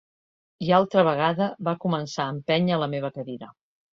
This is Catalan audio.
I altra vegada va començar a empènyer la meva cadira.